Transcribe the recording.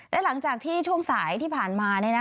และหลังจากที่ช่วงสายที่ผ่านมา